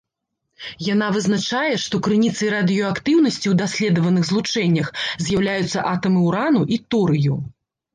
Яна вызначае, што крыніцай радыеактыўнасці ў даследаваных злучэннях з'яўляюцца атамы ўрану і торыю.